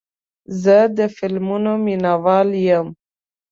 زه د فلمونو مینهوال یم.